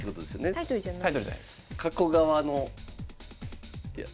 タイトルじゃないです。